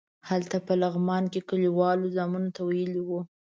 هلته په لغمان کې کلیوالو زامنو ته ویلي وو.